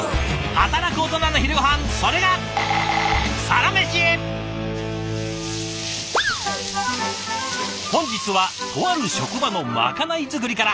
働くオトナの昼ごはんそれが本日はとある職場のまかない作りから。